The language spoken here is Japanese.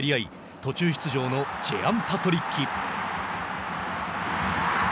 途中出場のジェアン・パトリッキ。